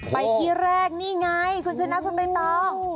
ไปที่แรกนี่ไงคุณชนะคุณใบตอง